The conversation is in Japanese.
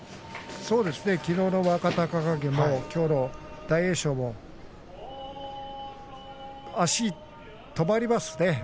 きのうの若隆景戦もきょうの大栄翔戦も相手の足が止まりますね。